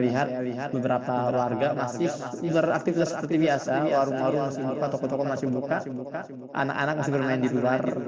lihat beberapa warga masih beraktivitas seperti biasa di warung warung masih toko toko masih buka anak anak masih bermain di luar